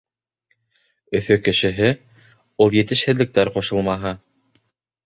Өфө кешеһе — ул етешһеҙлектәр ҡушылмаһы.